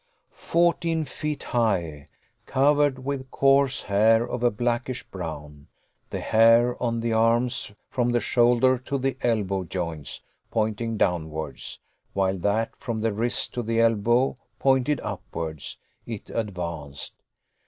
Fourteen feet high, covered with coarse hair, of a blackish brown, the hair on the arms, from the shoulder to the elbow joints, pointing downwards, while that from the wrist to the elbow pointed upwards, it advanced.